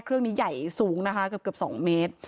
เครื่องนี้ใหญ่สูงนะคะเกือบ๒เมตร